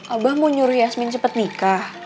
abah mau nyuruh yasmin cepat nikah